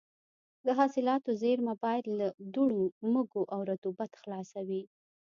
د حاصلاتو زېرمه باید له دوړو، مږو او رطوبت خلاصه وي.